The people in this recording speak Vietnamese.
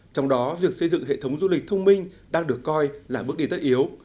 trong đó việc xây dựng hệ thống du lịch thông minh đang được coi là bước đi tất yếu